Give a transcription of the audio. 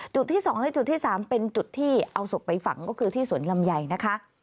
จุดที่๒และจุดที่๓เป็นจุดที่เอาศพไปฝังก็คือที่สวนลำไยนะคะ